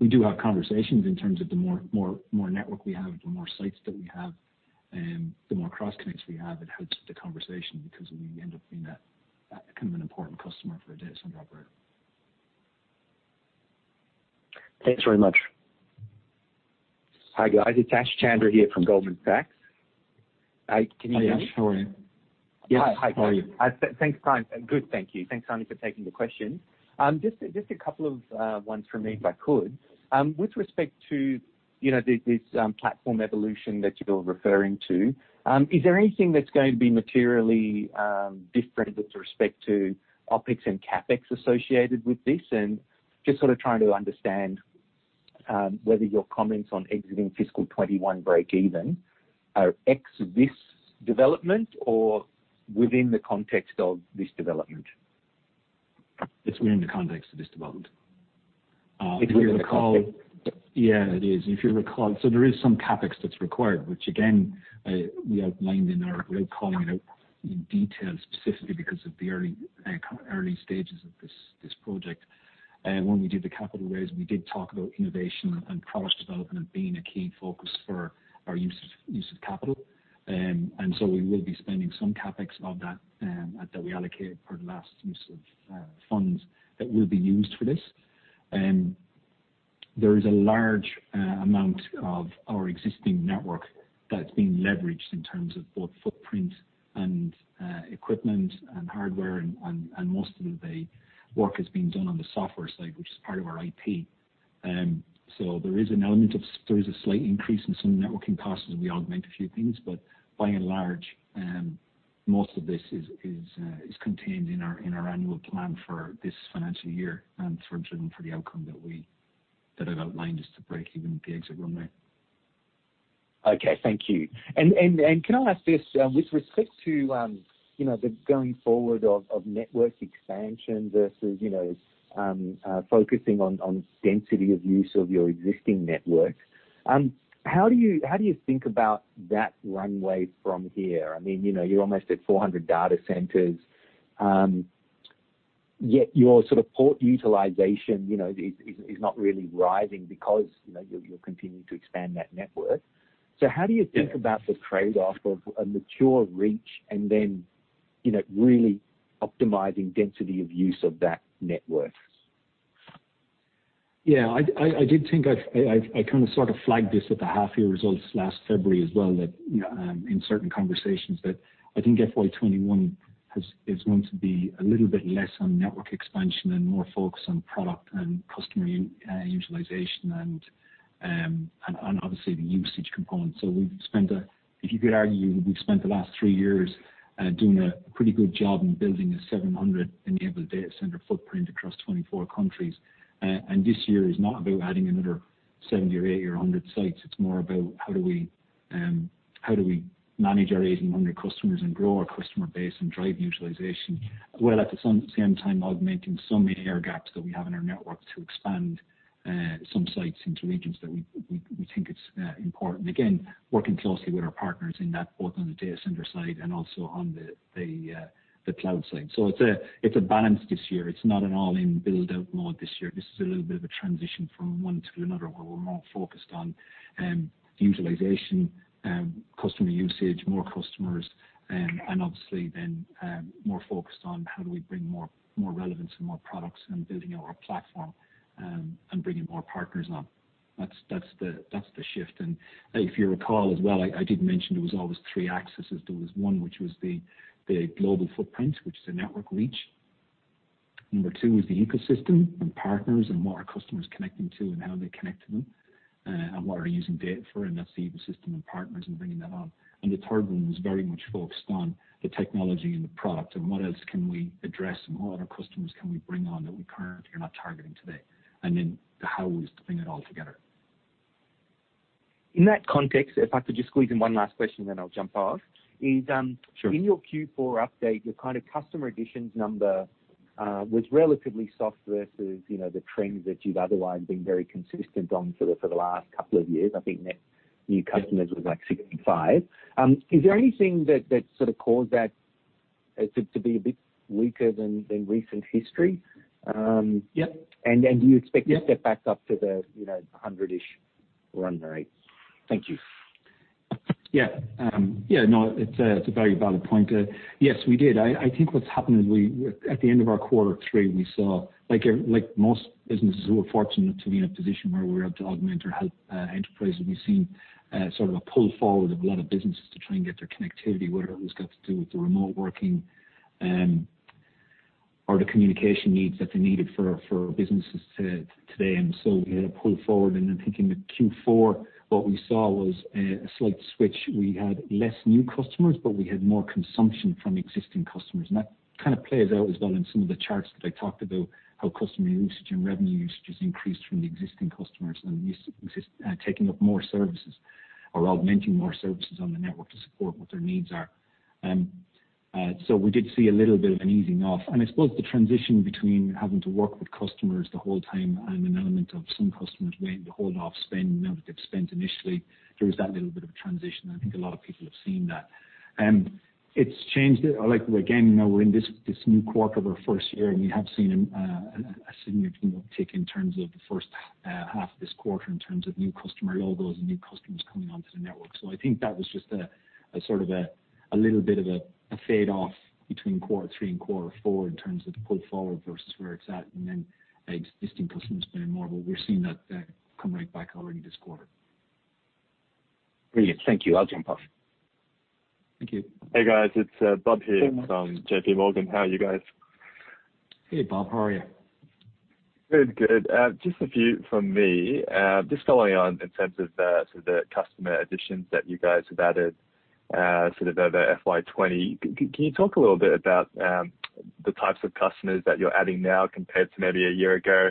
We do have conversations in terms of the more network we have, the more sites that we have, the more cross-connects we have. It helps the conversation because we end up being that kind of an important customer for a data center operator. Thanks very much. Hi, guys. It's Ash Chandra here from Goldman Sachs. Can you hear me? Hi Ash. How are you? Hi. How are you? Thanks. Fine. Good, thank you. Thanks for taking the question. Just a couple of ones from me, if I could. With respect to this platform evolution that you're referring to, is there anything that's going to be materially different with respect to OpEx and CapEx associated with this? Just sort of trying to understand whether your comments on exiting fiscal 2021 break even are ex this development or within the context of this development? It's within the context of this development. It is a CapEx. Yeah, it is. If you recall, there is some CapEx that's required, which again, we outlined in our, without calling it out in detail specifically because of the early stages of this project. When we did the capital raise, we did talk about innovation and product development being a key focus for our use of capital. We will be spending some CapEx of that that we allocated for the last use of funds that will be used for this. There is a large amount of our existing network that's being leveraged in terms of both footprint and equipment and hardware, and most of the work is being done on the software side, which is part of our IP. There is a slight increase in some networking costs as we augment a few things, but by and large, most of this is contained in our annual plan for this financial year and for the outcome that I've outlined, is to break even at the exit run rate. Okay, thank you. Can I ask this, with respect to the going forward of network expansion versus focusing on density of use of your existing networks, how do you think about that runway from here? You're almost at 400 data centers, yet your sort of port utilization is not really rising because you're continuing to expand that network. Yeah. About the trade-off of a mature reach and then really optimizing density of use of that network? Yeah. I did think I kind of sort of flagged this at the half-year results last February as well, in certain conversations, that I think FY 2021 is going to be a little bit less on network expansion and more focused on product and customer utilization and obviously the usage component. You could argue we've spent the last three years doing a pretty good job in building a 700-enabled data center footprint across 24 countries. This year is not about adding another 70 or 80 or 100 sites. It's more about how do we manage our existing 1,800 customers and grow our customer base and drive utilization, while at the same time augmenting some of the air gaps that we have in our network to expand some sites into regions that we think it's important. Working closely with our partners in that, both on the data center side and also on the cloud side. It's a balance this year. It's not an all-in build-out mode this year. This is a little bit of a transition from one to another, where we're more focused on utilization, customer usage, more customers, and obviously then more focused on how do we bring more relevance and more products and building out our platform, and bringing more partners on. That's the shift. If you recall as well, I did mention there was always three axes. There was one which was the global footprint, which is the network reach. Number two was the ecosystem and partners and what are customers connecting to and how they connect to them, and what are they using data for, and that's the ecosystem and partners and bringing that on. The third one was very much focused on the technology and the product and what else can we address and what other customers can we bring on that we currently are not targeting today. Then the how is to bring it all together. In that context, if I could just squeeze in one last question, then I'll jump off. Sure. In your Q4 update, your kind of customer additions number was relatively soft versus the trends that you've otherwise been very consistent on for the last couple of years. I think net new customers was like 65. Is there anything that sort of caused that to be a bit weaker than recent history? Yep. Do you expect to- Yep. Step back up to the 100-ish run rate? Thank you. Yeah. No, it's a very valid point. Yes, we did. I think what's happened is, at the end of our quarter three, we saw, like most businesses who are fortunate to be in a position where we're able to augment or help enterprise, we've seen sort of a pull forward of a lot of businesses to try and get their connectivity, whether that was got to do with the remote working or the communication needs that they needed for businesses today. We had a pull forward and I'm thinking with Q4, what we saw was a slight switch. We had less new customers, but we had more consumption from existing customers. That kind of plays out as well in some of the charts that I talked about, how customer usage and revenue usage has increased from the existing customers and taking up more services or augmenting more services on the network to support what their needs are. We did see a little bit of an easing off. I suppose the transition between having to work with customers the whole time and an element of some customers wanting to hold off spend now that they've spent initially, there is that little bit of a transition, and I think a lot of people have seen that. It's changed, like again, we're in this new quarter of our first year, and we have seen a significant tick in terms of the first half of this quarter in terms of new customer logos and new customers coming onto the network. I think that was just a little bit of a fade off between quarter three and quarter four in terms of the pull forward versus where it's at and then existing customers spending more. We're seeing that come right back already this quarter. Brilliant. Thank you. I'll jump off. Thank you. Hey, guys. It's Bob here. Hey, Bob. From JP Morgan. How are you guys? Hey, Bob, how are you? Good. Just a few from me. Just following on in terms of the customer additions that you guys have added sort of over FY 2020, can you talk a little bit about the types of customers that you're adding now compared to maybe a year ago?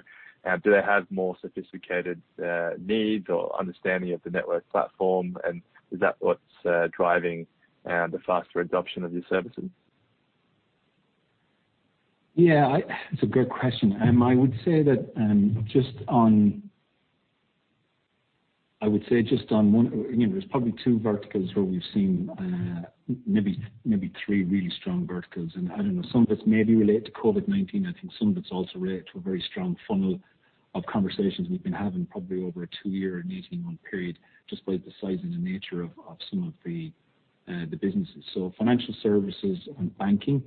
Do they have more sophisticated needs or understanding of the network platform? Is that what's driving the faster adoption of your services? Yeah, it's a great question. I would say just on one, there's probably two verticals where we've seen, maybe three really strong verticals. I don't know, some of it's maybe related to COVID-19. I think some of it's also related to a very strong funnel of conversations we've been having probably over a two-year or an 18-month period, just by the size and the nature of some of the businesses. Financial services and banking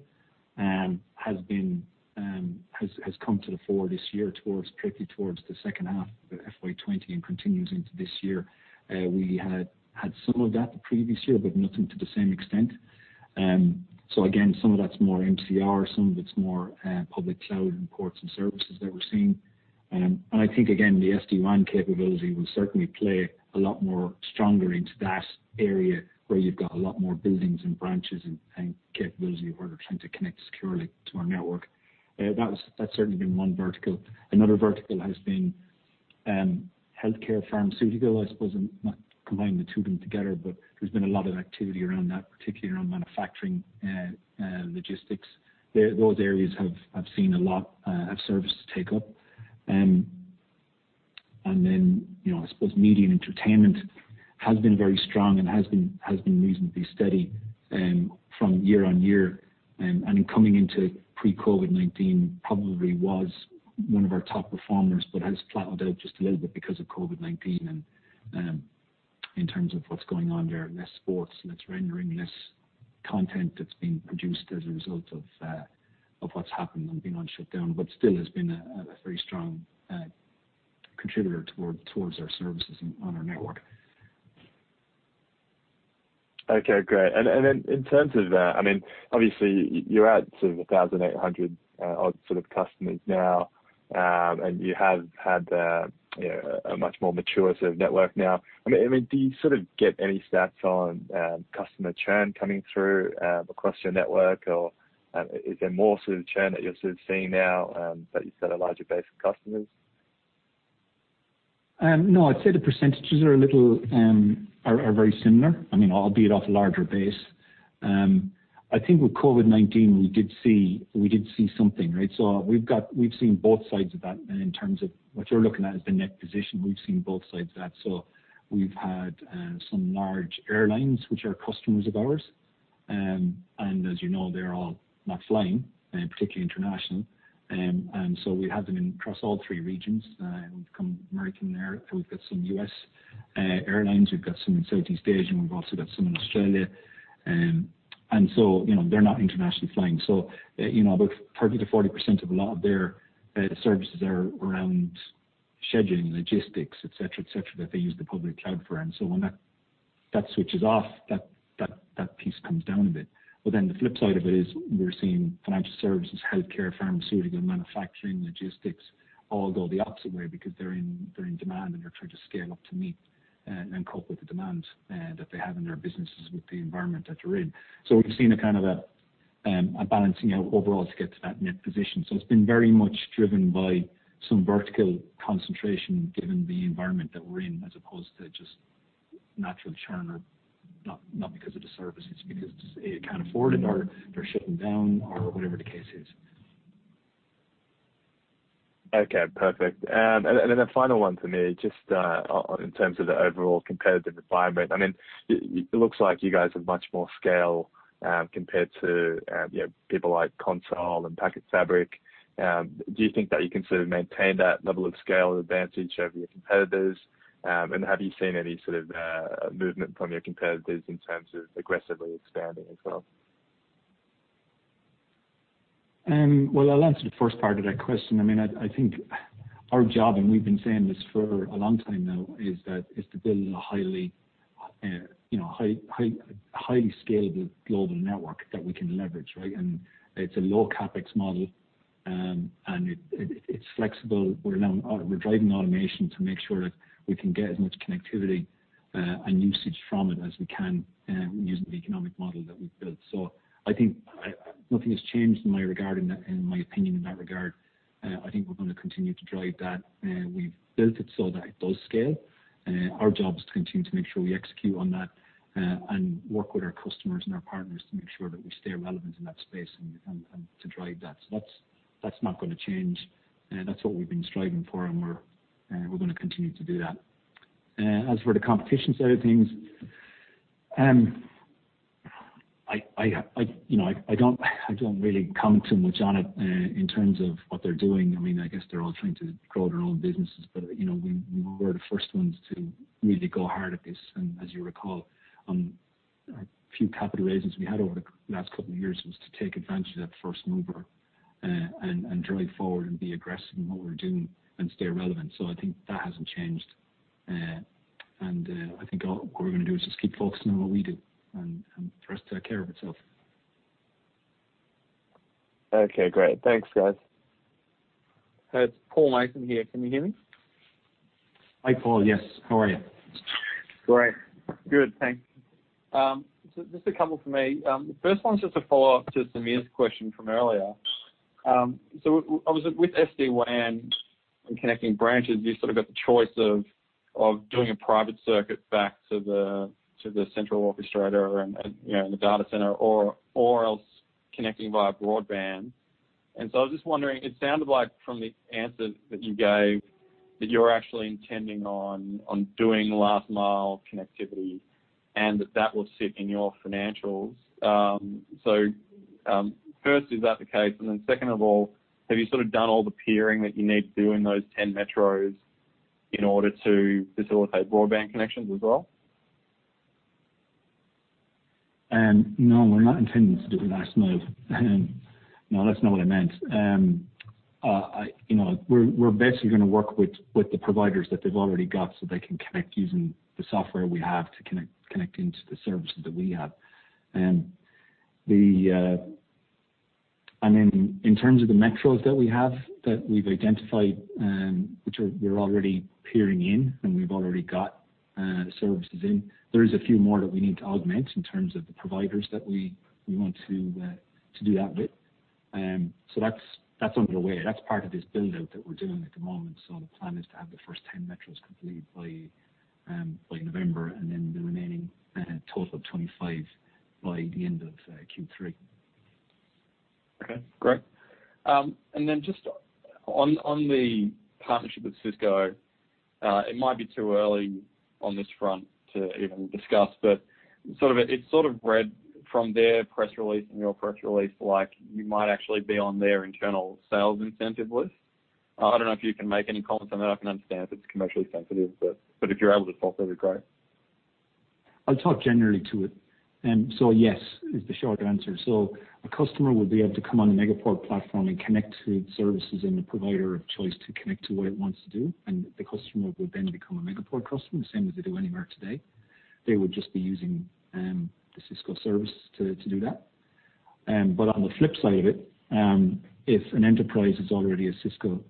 has come to the fore this year towards strictly towards the second half of FY 2020 and continues into this year. We had some of that the previous year, but nothing to the same extent. Again, some of that's more MCR, some of it's more public cloud and ports and services that we're seeing. I think again, the SD-WAN capability will certainly play a lot more strongly into that area where you've got a lot more buildings and branches and capability where they're trying to connect securely to our network. That's certainly been one vertical. Another vertical has been healthcare, pharmaceutical, I suppose, I'm not combining the two of them together, but there's been a lot of activity around that, particularly around manufacturing, logistics. Those areas have seen a lot of services take up. Then, I suppose media and entertainment has been very strong and has been reasonably steady from year on year. Coming into pre-COVID-19 probably was one of our top performers, but has plateaued out just a little bit because of COVID-19 and in terms of what's going on there, less sports, less rendering, less content that's being produced as a result of what's happened and being on shutdown, but still has been a very strong contributor towards our services on our network. Okay, great. In terms of that, obviously you're at sort of 1,800 odd sort of customers now, and you have had a much more mature sort of network now. Do you sort of get any stats on customer churn coming through across your network? Is there more sort of churn that you're sort of seeing now that you've got a larger base of customers? No, I'd say the percentages are very similar. Albeit off a larger base. I think with COVID-19, we did see something, right? We've seen both sides of that in terms of what you're looking at as the net position, we've seen both sides of that. We've had some large airlines, which are customers of ours, and as you know, they're all not flying, particularly international. We have them across all three regions. We've got American there, we've got some U.S. airlines, we've got some in Southeast Asia, and we've also got some in Australia. They're not internationally flying. About 30%-40% of a lot of their services are around scheduling, logistics, et cetera, that they use the public cloud for. When that switches off, that piece comes down a bit. The flip side of it is we're seeing financial services, healthcare, pharmaceutical, manufacturing, logistics all go the opposite way because they're in demand, and they're trying to scale up to meet and cope with the demand that they have in their businesses with the environment that they're in. We've seen a kind of a balancing out overall to get to that net position. It's been very much driven by some vertical concentration given the environment that we're in, as opposed to just natural churn or not because of the service, it's because they can't afford it or they're shutting down or whatever the case is. Okay, perfect. A final one for me, just in terms of the overall competitive environment. It looks like you guys have much more scale compared to people like Console and PacketFabric. Do you think that you can sort of maintain that level of scale advantage over your competitors? Have you seen any sort of movement from your competitors in terms of aggressively expanding as well? I'll answer the first part of that question. I think our job, and we've been saying this for a long time now, is to build a highly scalable global network that we can leverage, right? It's a low CapEx model, and it's flexible. We're driving automation to make sure that we can get as much connectivity and usage from it as we can using the economic model that we've built. I think nothing has changed in my opinion, in that regard. I think we're going to continue to drive that. We've built it so that it does scale. Our job is to continue to make sure we execute on that and work with our customers and our partners to make sure that we stay relevant in that space and to drive that. That's not going to change. That's what we've been striving for, and we're going to continue to do that. As for the competition side of things, I don't really count too much on it in terms of what they're doing. I guess they're all trying to grow their own businesses. We were the first ones to really go hard at this. As you recall, on a few capital raises we had over the last couple of years was to take advantage of that first mover and drive forward and be aggressive in what we're doing and stay relevant. I think that hasn't changed. I think all we're going to do is just keep focusing on what we do and for us to take care of itself. Okay, great. Thanks, guys. It's Paul Mason here. Can you hear me? Hi, Paul. Yes. How are you? Great. Good, thanks. Just a couple from me. The first one's just a follow-up to Sameer's question from earlier. Obviously with SD-WAN and connecting branches, you sort of got the choice of doing a private circuit back to the central orchestrator and the data center or else connecting via broadband. I was just wondering, it sounded like from the answers that you gave, that you're actually intending on doing last-mile connectivity and that that will sit in your financials. First, is that the case? Second of all, have you sort of done all the peering that you need to do in those 10 metros in order to facilitate broadband connections as well? No, we're not intending to do the last mile. No, that's not what I meant. We're basically going to work with the providers that they've already got so they can connect using the software we have to connect into the services that we have. In terms of the metros that we have, that we've identified, which we're already peering in and we've already got the services in, there is a few more that we need to augment in terms of the providers that we want to do that with. That's underway. That's part of this build-out that we're doing at the moment. The plan is to have the first 10 metros complete by November and then the remaining total of 25 by the end of Q3. Okay, great. Just on the partnership with Cisco, it might be too early on this front to even discuss, but it's sort of read from their press release and your press release like you might actually be on their internal sales incentive list. I don't know if you can make any comment on that. I can understand if it's commercially sensitive, but if you're able to talk through it, great. I'll talk generally to it. Yes is the short answer. A customer would be able to come on the Megaport platform and connect to services and the provider of choice to connect to what it wants to do. The customer would then become a Megaport customer, the same as they do anywhere today. They would just be using the Cisco service to do that. On the flip side of it, if an enterprise is already a Cisco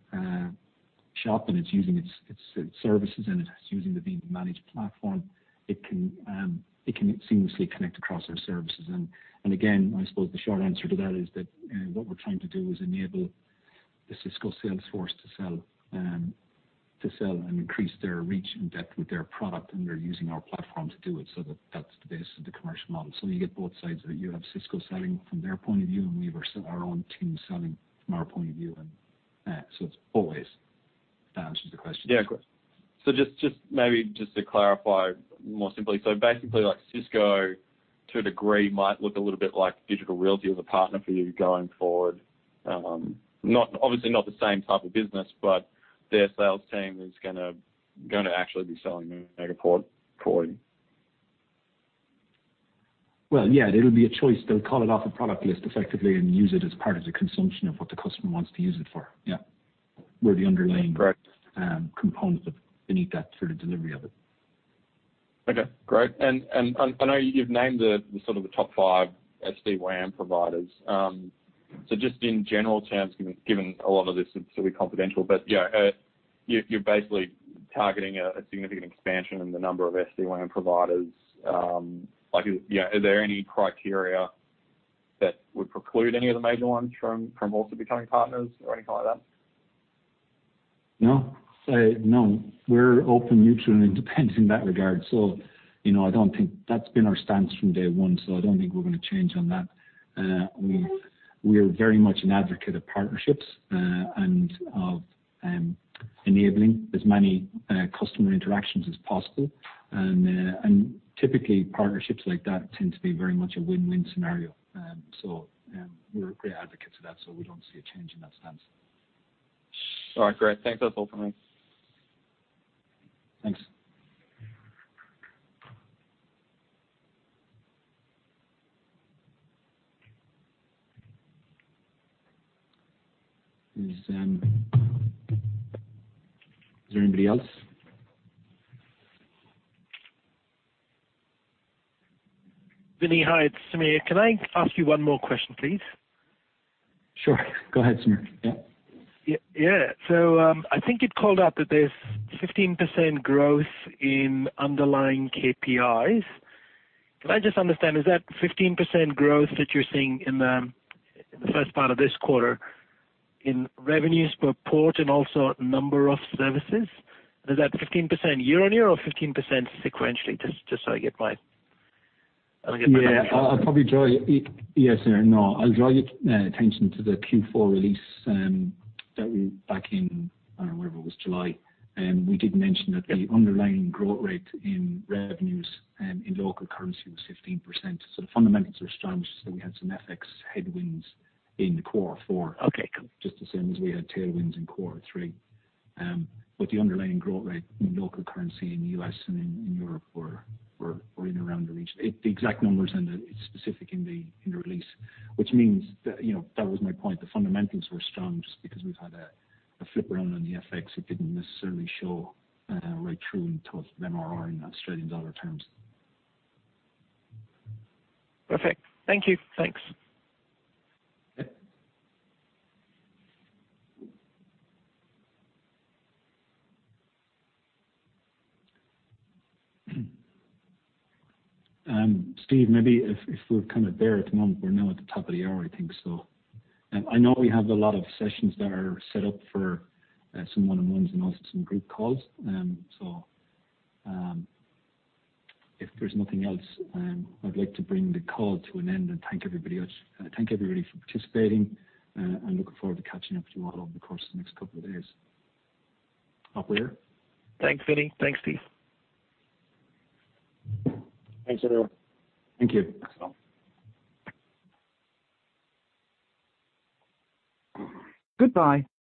shop and it's using its services and it's using the managed platform, it can seamlessly connect across our services. Again, I suppose the short answer to that is that what we're trying to do is enable the Cisco sales force to sell and increase their reach and depth with their product, and they're using our platform to do it. That's the basis of the commercial model. You get both sides of it. You have Cisco selling from their point of view, and we have our own team selling from our point of view. It always answers the question. Yeah. Just maybe just to clarify more simply, so basically like Cisco, to a degree, might look a little bit like Digital Realty as a partner for you going forward. Obviously not the same type of business, but their sales team is going to actually be selling Megaport for you. Well, yeah. It'll be a choice. They'll call it off a product list effectively and use it as part of the consumption of what the customer wants to use it for. Yeah. Great. Components beneath that sort of delivery of it. I know you've named the sort of the top five SD-WAN providers. Just in general terms, given a lot of this is going to be confidential, but you're basically targeting a significant expansion in the number of SD-WAN providers. Is there any criteria that would preclude any of the major ones from also becoming partners or anything like that? No. We're open, neutral, and independent in that regard. That's been our stance from day one. I don't think we're going to change on that. We are very much an advocate of partnerships and of enabling as many customer interactions as possible. Typically, partnerships like that tend to be very much a win-win scenario. We're great advocates of that. We don't see a change in that stance. All right, great. Thanks. That's all for me. Thanks. Is there anybody else? Vinny, hi. It's Sameer. Can I ask you one more question, please? Sure. Go ahead, Sameer. Yeah. Yeah. I think you'd called out that there's 15% growth in underlying KPIs. Could I just understand, is that 15% growth that you're seeing in the first part of this quarter in revenues per port and also number of services? Is that 15% year-on-year or 15% sequentially? Just so I get my calculation. Yeah. No. I'll draw your attention to the Q4 release back in, I don't know, whatever it was, July. We did mention that the underlying growth rate in revenues and in local currency was 15%. The fundamentals are strong. It's just that we had some FX headwinds in quarter four. Okay, cool. Just the same as we had tailwinds in quarter three. The underlying growth rate in local currency in the U.S. and in Europe were in around the region. The exact numbers, it is specific in the release. That was my point. The fundamentals were strong. Just because we have had a flip around on the FX, it did not necessarily show right through in terms of MRR in Australian dollar terms. Perfect. Thank you. Thanks. Steve, maybe if we're kind of there at the moment. We're now at the top of the hour, I think so. I know we have a lot of sessions that are set up for some one-on-ones and also some group calls. If there's nothing else, I'd like to bring the call to an end and thank everybody for participating, and looking forward to catching up with you all over the course of the next couple of days. Thanks, Vinny. Thanks, Steve. Thanks, everyone. Thank you.